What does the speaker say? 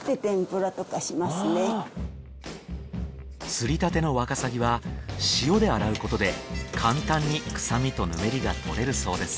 釣りたてのワカサギは塩で洗うことで簡単に臭みとぬめりが取れるそうです